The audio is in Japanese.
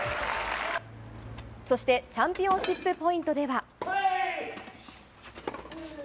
そしてチャンピオンシップポイントでは。